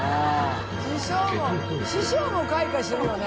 師匠も開花してるよね。